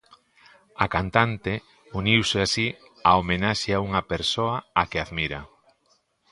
A cantante uniuse así á homenaxe a unha persoa á que admira.